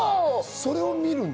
それを見るの？